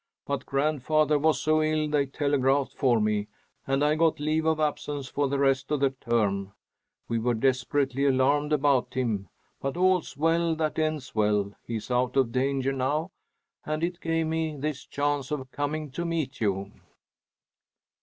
"But grandfather was so ill they telegraphed for me, and I got leave of absence for the rest of the term. We were desperately alarmed about him, but 'all's well that ends well,' He is out of danger now, and it gave me this chance of coming to meet you."